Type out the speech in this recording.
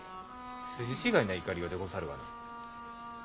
筋違いな怒りようでござるがな。